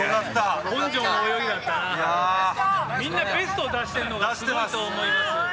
根性の泳みんなベストを出してるのがすごいと思います。